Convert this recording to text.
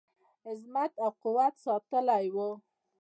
عظمت او قوت ساتلی وو.